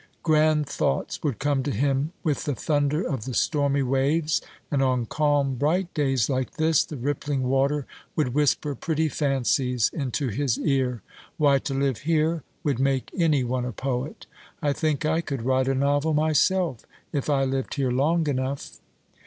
Grand thoughts would come to him with the thunder of the stormy waves; and on calm bright days like this the rippling water would whisper pretty fancies into his ear. Why, to live here would make any one a poet. I think I could write a novel myself, if I lived here long enough."